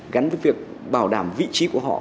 gắn với việc bảo đảm vị trí của họ